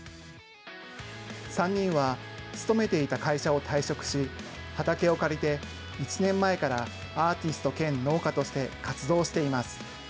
３人は勤めていた会社を退職し、畑を借りて、１年前からアーティスト兼農家として活動しています。